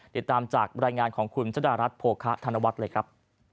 ติดตามจากบรรยายงานของคุณชดารัฐโภคะธนวัฒน์เลยครับ